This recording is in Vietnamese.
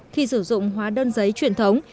khi sử dụng hóa đơn giấy truyền thống